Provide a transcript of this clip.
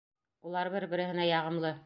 Улар бер-береһенә яғымлы.